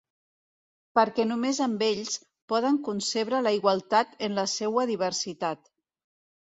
Perquè només amb ells podem concebre la igualtat en la seua diversitat.